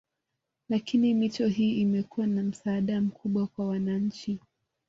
Lakini mito hii imekuwa na msaada mkubwa kwa wananchi